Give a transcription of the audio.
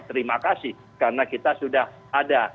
terima kasih karena kita sudah ada